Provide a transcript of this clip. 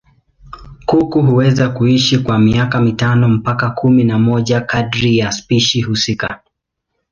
Kuku huweza kuishi kwa miaka mitano mpaka kumi na moja kadiri ya spishi husika.